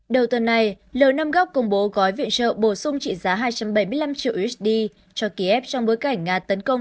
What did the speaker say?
đầu tuần này l năm góc công bố gói viện trợ bổ sung trị giá hai trăm bảy mươi năm triệu usd cho kiev trong bối cảnh nga tấn công